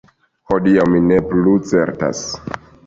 Hodiaŭ mi ne plu certas.